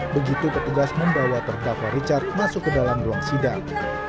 begitu petugas membawa terdakwa richard masuk ke dalam ruang sidang